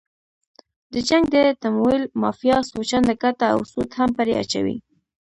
د جنګ د تمویل مافیا څو چنده ګټه او سود هم پرې اچوي.